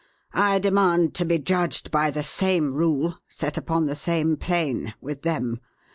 "I demand to be judged by the same rule, set upon the same plane with them.